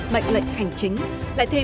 mệnh lệnh hành chính